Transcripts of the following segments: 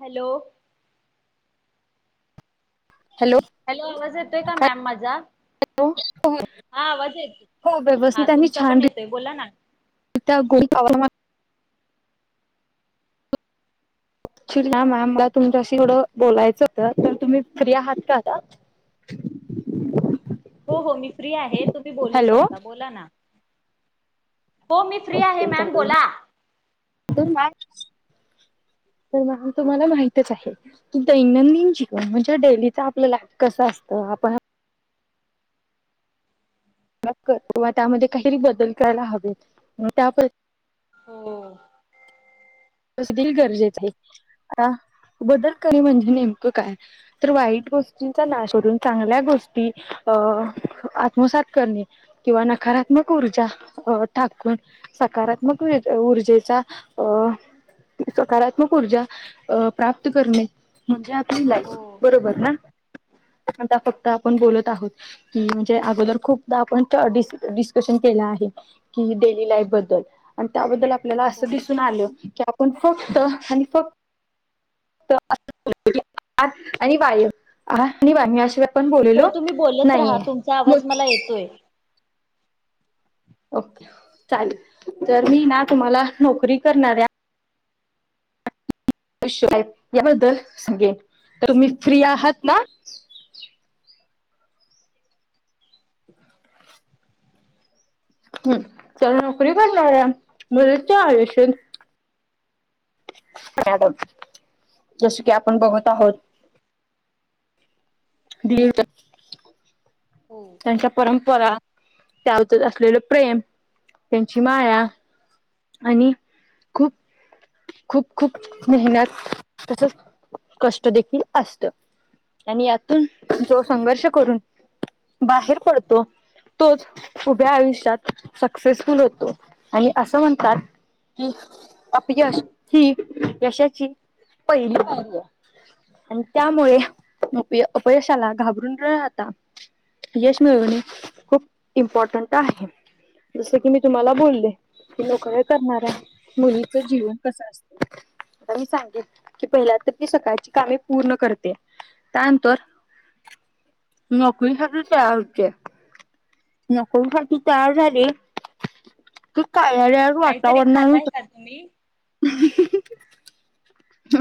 Hello. Hello. Hello, आवाज येतोय का मॅम माझा? येतोय. हा आवाज येतो. हा तुमचा छान पण येतोय बोला ना? त्या गोल पावर [unintelligible] [unintelligible] मॅम मला तुमच्याशी थोडं बोलायचं होतं, तर तुम्ही फ्री आहात का आता? आ अ र् [inaudible] हो हो मी फ्री आहे. तुम्ही बोलू शकता? बोला ना? हो मी अ फ्री आहे [inaudible] मॅम चाले बोला. [inaudible] होना हो तुम्हाला माहितच आहे. की दैनंदिन जीवन म्हणजे डेलीच आपलं लाईफ कसं असतं आप व त्यामध्ये काही बदल करायला हवेत म त्यासाठी हो. दिल गरजेचं आहे आता बदल करी म्हणजे नेमकं काय? तर वाईट गोष्टींचा नाश करून चांगल्या गोष्टी अ आत्मसात करणे किंवा नकारात्मक ऊर्जा टाकून सकारात्मक ऊर्जेचा अ सकारात्मक ऊर्जा प्राप्त करणे म्हणजे हो हो बरोबर ना आता फक्त आपण बोलत आहोत. म्हणजे अगोदर खूपदा आपण डिस्कशन केल आहे. कि डेली लाईफ बद्दल आणि त्याबद्दल आपल्याला असं दिसून बरोबर. आल की पण फक्त आणि फक्त [inaudible] आणि वाय आणि वा मी अशिवाय [inaudible] पण हो बोललेलो तुम्ही बोलत राहा नाहीये. तुमचा आवाज मला येतोय. ओके चालेल तरी ना तुम्हाला नोकरी करणाऱ्या अय याबद्दल सगळे. तर तुम्ही फ्री आहात ना? [inaudible] हम्म, चला नोकरी करणाऱ्या मुलींच्या आयुष्यत मॅडम जस की आपण बघत आहोत. लीर द [inaudible] हो त्यांच्या परंपरा त्याबद्दल असलेलं प्रेम त्यांची माया आणि खूप, खूप, खूप मेहनत तसच कष्ट देखील असतं. आणि यातून जो संघर्ष करून बाहेर पडतो. तोच उभ्या आयुष्यात सक्सेसफुल होतो आणि असं म्हण का की? अपयश ही यशाची पहिली पायरी आहे. आणि त्यामुळे अपयशाला घाबरून राहता. यश मिळवणे खूप इम्पॉर्टंट आहे जसं की मी तुम्हाला बोलले. नोकरी करणाऱ्या मुलीचं जीवन कसं असते? आता मी सांगिते की पहिल्या तर ती सकाळची कामे पूर्ण करते. त्या नंतर नोकरीसाठी तयार होतीया, नोकरीसाठी तयार झाली. की कार्यालयात काहीतरी वातावरणा खाताय का नुसार तुम्ही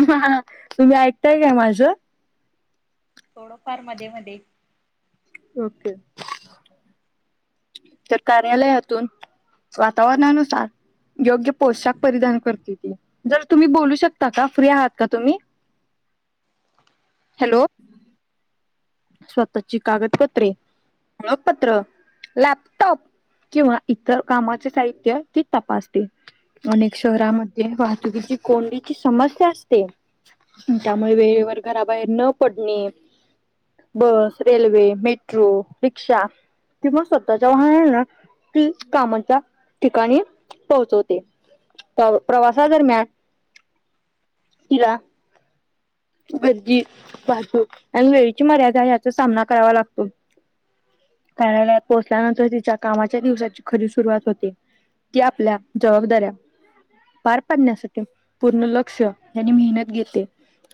हा तुम्ही ऐकताय काय माझ? थोडफार मध्ये, मध्ये ओके. तर कार्यालयातून वातावरणा नुसार योग्य पोशाख परिधान कर त जर तुम्ही बोलू शकता का फ्री आहात का तुम्ही? हॅलो. स्वतःची कागदपत्रे ओळखपत्र लॅपटॉप किंवा इतर कामाचे साहित्य तती तपासते. अनेक शहरामध्यें, वाहतुकीची, कोंडीची समस्या असते. त्यामुळे वेळेवर घराबाहेर, न पडणे. बस, रेल्वे, मेट्रो, रिक्षा किंवा स्वतःच्या वाहणान तीच कामांच्या, ठिकाणी पोहोचवते. पव-प्रवासा दरम्यान, तिला भजी, वाहतूक आणि वेळीची मर्यादा, याचा सामना करावा लागतो. कार्यालयात पोहोचल्यानंतर, तिच्या कामाच्या दिवसाची, खरी सुरुवात होते. ती आपल्या जबाबदाऱ्या पार पाडण्यासाठी, पूर्ण लक्ष आणि मेहनत घेते.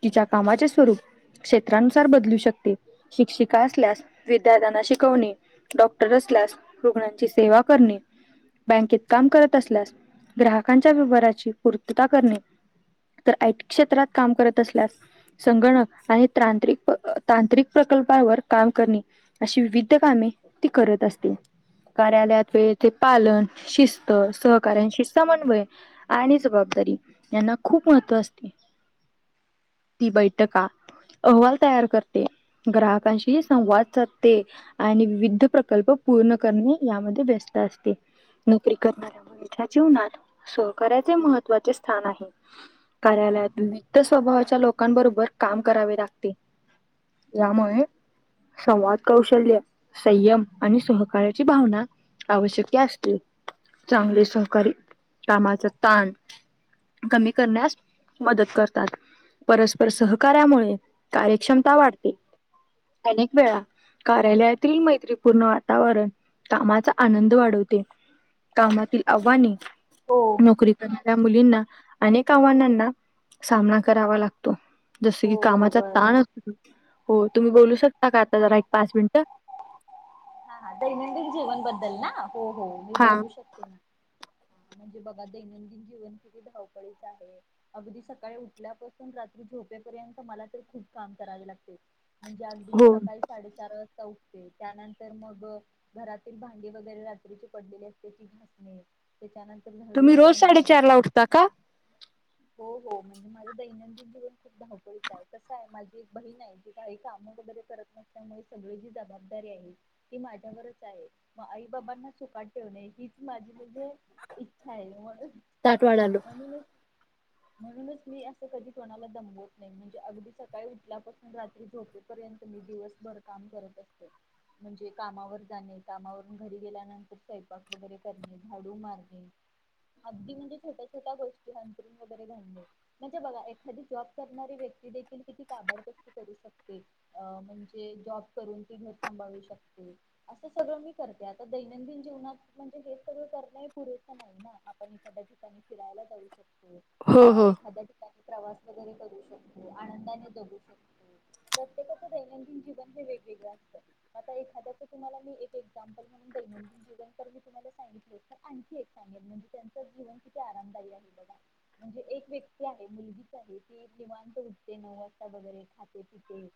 तिच्या कामाचे स्वरूप क्षेत्रानुसार बदलू शकते, शिक्षिका असल्यास, विद्यार्थ्यांना शिकवणे. डॉक्टर असल्यास, रुग्णांची सेवा करणे. बँकेत काम करत असल्यास, ग्राहकांच्या व्यवहाराची पूर्तता करणे. तर आयटी क्षेत्रात, काम करत असल्यास संगणक आणि त्राणंत्रिक-तांत्रिक प्रकल्पावर काम करणे. अशी विविध कामे, ती करत असते. कार्यालयात वेळ ते पालन, शिस्त, सहकार्यांशी समन्वय आणि जबाबदारी, यांना खूप महत्त्व असते. ती बैठका, अहवाल तयार करते, ग्राहकांशी संवाद साधते. आणि विविध प्रकल्प पूर्ण करणे, यामध्ये व्यस्त असते, नोकरी करणा यांच्या जीवनात, सहकार्याचे महत्त्वाचे स्थान आहे. कार्यालयात, नित्त स्वभावाच्या लोकांबरोबर, काम करावे लागते. यामुळे, संवाद कौशल्य संयम आणि सहकार्याची भावना, आवश्यकती असते. चांगले सहकारी, कामाच ताण कमी करण्यास, मदत करतात. परस्पर सहकार्यामुळे, कार्यक्षमता वाढते, अनेक वेळा कार्यालयातील मैत्रीपूर्ण वातावरण, कामाचा आनंद वाढवते. कामातील आव्हाने, हो नोकरी कर ऱ्या मुलींना, अनेक आव्हानांना, सामना करावा लाग जसं की हो कामाचा बरोबर. ताण अ, हो तुम्ही बोलू शकता का, आता जरा एक पाच मिनिट? हा हा, दैनंदिन जीवनबद्दल ना, हो हो, मी हा बोलू शकते ना. म्हणजे बघा दैनंदिन जीवन, किती धावपळीच आहे. अगदी सकाळी उठल्यापासून, रात्री झोपेपर्यंत, मला तर खूप काम करावे लागते. म्हणजे अगदी मी हो सकाळी साडेचार वाजता उठते, त्यानंतर मग घरातील भांडी वगैरे रात्रीची पडलेली असते, ती घासणे. त्याच्यानंतर झाडू तुम्ही रोज वगैरे मारण साडेचार ला, उठता का? हो हो, म्हणजे माझ दैनंदिन जीवन खूप धावपळीच आहे, कसं आहे माझी एक बहीण आहे, जी काही काम वगैरे करत नसल्यामुळे, सगळी जी जबाबदारी आहे ती माझ्यावरच आहे, मं आई बाबांना सुखात ठेवणे, हीच माझी म्हणजे इच्छा आहे ना, म ताटवाडालो. म्हणून म्हणूनच मी असं कधी कोणाला दमवत नाही, म्हणजे अगदी सकाळी उठल्यापासून, रात्री झोपेपर्यंत, मी दिवस भर, काम करत असते. म्हणजे कामावर जाणे, कामावरून घरी गेल्यानंतर सैयंपाक वगैरे करणे, झाडू मारणे. [inaudible] अगदी म्हणजे छोट्या छोट्या गोष्टी. अंथरून वगैरे घालणे. म्हणजे बघा, एखादी जॉब करणारी व्यक्ती देखील, किती काबाड कशी करू शकते. अ म्हणजे जॉब करून ती घर सांभाळू शकते. असं सगळं मी करते. आता दैनंदिन जीवनात म्हणजे हे सगळं करणे पुरेस नाही ना. आपण एखाद्या ठिकाणी फिरायला जाऊ शकतो. हो अ हो एखा्या ठिकाणी प्रवास वगैरे करू शकतो. आनंदाने जगू शकतो. प्रत्येकाचं दैनंदिन जीवन हे वेगवेगळं असतं. आता एखा्याचं तुम्हाला मी एक एक्झाम्पल म्हणून दैनंदिन जीवनकर मी तुम्हाला सांगितले होत. आणखी एक सांगेल. म्हणजे त्यांचं जीवन किती आरामदायी आहे बघा. म्हणजे एक व्यक्ती आहे. मुलगीच आहे. ती निवांत उठते नऊ वाजता. खाते पिते.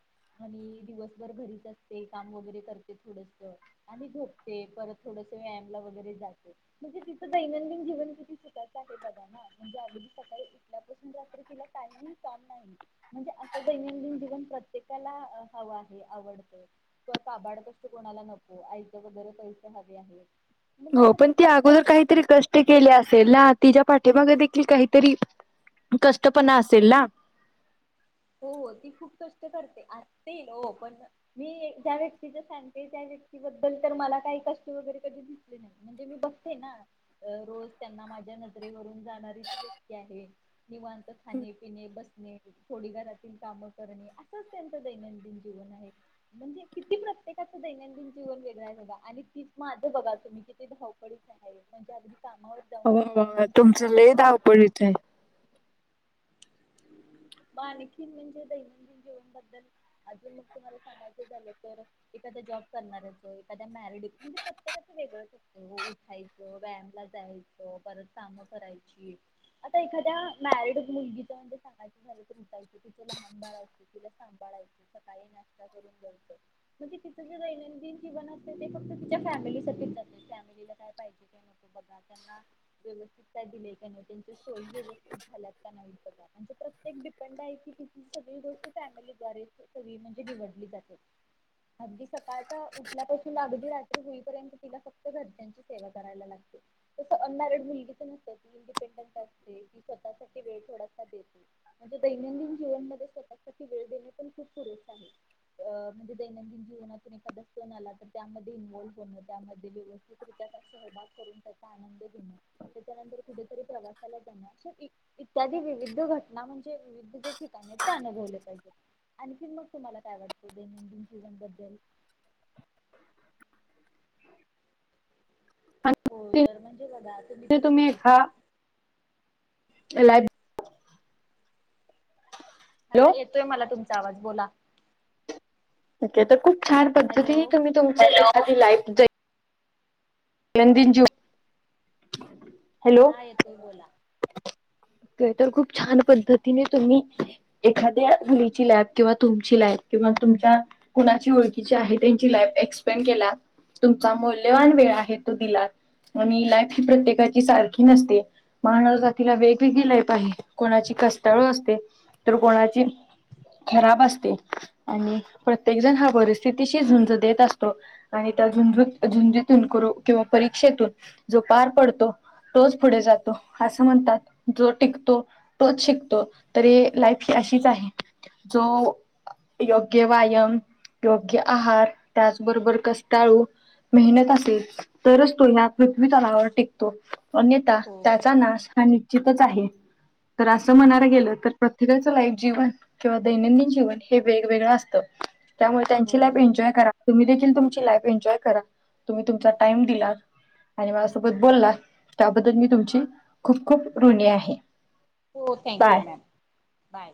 आणि दिवसभर घरीच असते. काम वगैरे करते थोडस. आणि झोपते. परत थोडस व्यायामला वगैरे जाते. म्हणजे तिच दैनंदिन जीवन किती सुकाचं आहे बघा ना. म्हणजे अगदी सकाळी उठल्यापासून रात्री तिला काहीही काम नाही. म्हणजे असं दैनंदिन जीवन प्रत्येकाला हवं आहे. आवडतं. किंवा काड कष्ट कोणाला नको. आईते वगैरे पैसे हवे आहे. म्हणजे हो असं पण ती प्रत्य अगोदर काहीतरी कष्ट केले असेल ना. तिच्या पा ठी मग देखील काहीतरी कष्टपण असेल ना. हो ती खूप कष्ट करते. असते हो पण मी ज्या व्यक्तीच्या सांगतेय. त्या व्यक्तीबद्दल तर मला काही कष्ट वगैरे कधी दिसले नाही. म्हणजे मी बघते ना रोज. त्यांना माझ्या नर नजरेवरुन जाणारी ती व्यक्ती आहे. निवांत खाणे पिणे बसणे. थोडी घरातील काम करणे. असंच त्यांचं दैनंदिन जीवन आहे. म्हणजे किती प्रत्येकाचं दैनंदिन जीवन वेगळं आहे बगा. आणि तीच माझं बघा तुम्ही किती धावपळी आहे. म्हणजे अगदी कामा हो तुमचं लय धावपळीच आहे. म आणखी म्हणजे दैनंदिन जीवनबद्दल अजून मग तुम्हाला सांगायचं झालं तर, एखाद्या जॉब करणारच. एखाद्या मॅर रेड म्हणजे प्रत्येकाच वेगळं उठायचं, व्यायामला जायचं, परत कामं करायची. आता एखाद्या मॅरिड मुलगी सांगाय झालच तिचे लहान बाळ असते तिला सांभाळायंच सकाळी नाश्ता करून जेवतो. म्हणजे तिचं जे दैनंदिन जीवन असते. ते फक्त तिच्या फॅमिलीसाठीच जात. फॅमिलीला काय पाहिजे? बघा. त्यांना व्यवस्थित काय दिले का नाही. त्यांच्या सोयी व्यवस्थित झाल्यात का नाही ब म्हणजे प्रत तेक डिपेंड आहे की, तीची सगळी गोष्ट फॅमिली द्वारेव सगळी म्हणजे निवडली जाते. अगदी सकाळचा उठल्यापासून, अगदी रात्री होईपर्यंत तिला फक्त घरच्यांची सेवा करायला लागते. तसं अनमॅरिड मुलगीच नसते. ती इंडिपेंडंट असते. ती स्वतसाठीे वेळ थोड म्हणजे दैनंदिन जीवन मध्ये स्वतःसाठी वेळ देणे पण खूप पुरेसे आहे. अ म्हणजे दैनंदिन जीवनातून एखादा सण आला तर त्यामध्ये इन्व्हल्व्ह होणं. त्यामध्ये व्यवस्थितरित्या सहभाग करून, त्याचा आनंद घेण. त्याच्यानंतर कुठेतरी प्रवासाला जाणं. इत्यादी विविध व्ह्यू घटना म्हणजे विविध जे ठिकाणी त्यांन अनुभवले पाहिजेत. आणखी मग तुम्हाला काय वाटतं दैनंदिन जीवनबद्दल. हो आणि तर म्हणजे बघात तुम्ही हा [unintelligible] हा हॅलो येतोय मला तुमचा आवाज बोला. के तर खूप छान हॅलो पद्धती तुम्ही तुमच्या एखादी लाईफ [unintelligible] जु. हा येतोय बोला. ते तर खूप छान पद्धतीने तुम्ही एखाद्या मुलीची लॅब किंवा तुमची लाईफ किंवा तुमच्या कुणाची ओळखीची आहे त्यांची लाईफ एक्सपेंड केला तुमचा मौल्यवान वेळ आहे तो दिला आणि लाईफ ही प्रत्येकाची सारखी नसते. माहणव जातीला वेगवेगळी लाईफ आहे कोणाची कस्ताळू असते तर कोणाची खराब असते आणि प्रत्येक जण हा परिस्थितीशी झुंज देत असतो. आणि त्या झुंजू झुंजीतून कुरव किंवा परीक्षेतून जो पार पडतो तोच पुढे जातो असं म्हणतात, जो टिकतो तोच शिकतो तरी लाईफ ही अशीच आहे. जो योग्य व्यायाम, योग्य आहार त्याचबरोबर कस्ताळू मेहनत असेल तरच तुलना मी तलावर टिकतो, अन्यथा हो त्याचा नाश हा निश्चितच आहे. तर असं म्हणायला गेलं तर प्रत्येकाचं लाईफ जीवन किंवा दैनंदिन जीवन हे वेगवेगळं असतं. त्यामुळे हो त्यांची लाईफ एन्जॉय करा तुम्ही देखील तुमची लाईफ एन्जॉय करा तुम्ही तुमचा टाइम दिला आणि माझ्यासोबत बोलला त्याबद्दल मी तुमची खूप खूप ऋणी आहे. हो बाय थँक्यू मॅम, बाय.